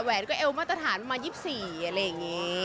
แวนก็เอวมาตรฐานประมาณ๒๔อะไรอย่างนี้